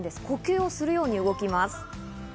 呼吸をするように動きます。